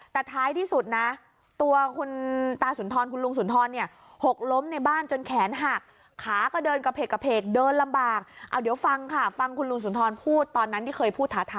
แต่ท้ายที่สุดนะตัวคุณตาสุนทรคุณลุงสุนทรเนี่ย